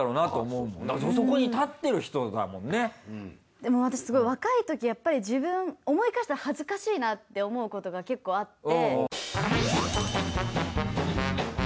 でも私すごい若いときやっぱり自分思い返したら恥ずかしいなって思うことが結構あって。